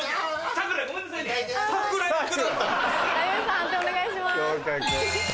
判定お願いします。